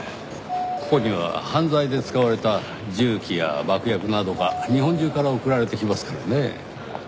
ここには犯罪で使われた銃器や爆薬などが日本中から送られてきますからねぇ。